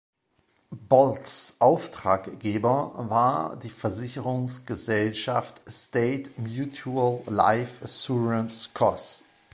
Balls Auftraggeber war die Versicherungsgesellschaft "State Mutual Life Assurance Cos.